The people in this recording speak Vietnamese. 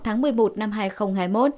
ngày một mươi một năm hai nghìn hai mươi một